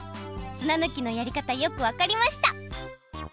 砂ぬきのやりかたよくわかりました。